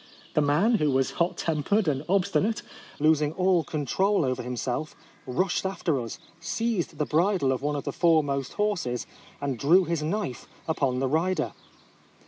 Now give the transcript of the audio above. The man, who was hot tempered and obstinate, losing all control over himself, rushed after us, seized the bridle of one of the foremost horses, and drew his knife upon the rider.